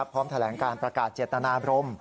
พร้อมแถลงการประกาศเจตนาบรม